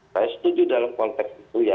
saya setuju dalam konteks itu ya